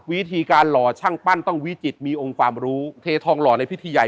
วิธีการหล่อช่างปั้นต้องวิจิตมีองค์ความรู้เททองหล่อในพิธีใหญ่